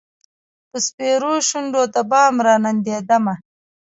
پر سپیرو شونډو د بام راننېدمه